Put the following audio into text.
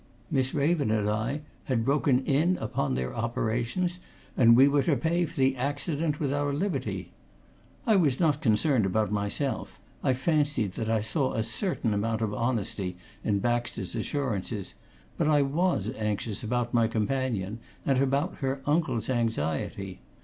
Miss Raven and I had broken in upon their operations, and we were to pay for the accident with our liberty. I was not concerned about myself I fancied that I saw a certain amount of honesty in Baxter's assurances but I was anxious about my companion, and about her uncle's anxiety.